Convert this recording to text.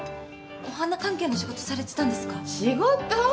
お花関係の仕事されてたんですか？